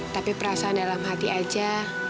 tapi perasaan dalam hati aja